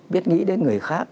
biết nghĩ đến người khác